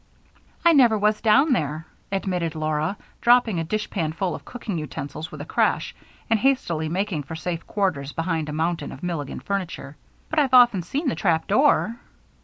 "I never was down there," admitted Laura, dropping a dishpanful of cooking utensils with a crash and hastily making for safe quarters behind a mountain of Milligan furniture, "but I've often seen the trap door."